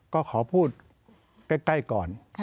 ก็ขอพูดใกล้ก่อน